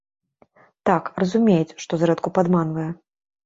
Так, разумеюць, што зрэдку падманвае.